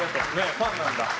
ファンなんだ。